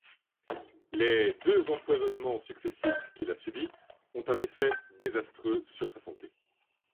Les deux empoisonnements successifs qu'il a subis ont un effet désastreux sur sa santé.